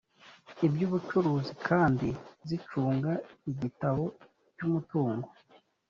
iby ‘bucuruzi kandi zicunga igitabo cy’umutungo